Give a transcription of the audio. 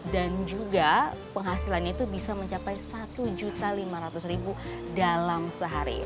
dan juga penghasilan itu bisa mencapai rp satu lima ratus dalam sehari